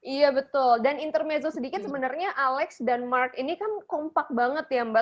iya betul dan intermezzle sedikit sebenarnya alex dan mark ini kan kompak banget ya mbak